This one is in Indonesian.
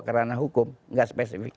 kerana hukum gak spesifik